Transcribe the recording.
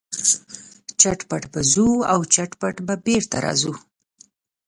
چټ پټ ځو، چټ پټ راځو.